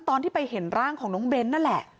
ตอนที่ไปเห็นร่างของน้องเบ้นนั่นแหละ